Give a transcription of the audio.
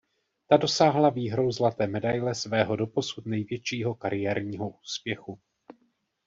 Ta dosáhla výhrou zlaté medaile svého doposud největšího kariérního úspěchu.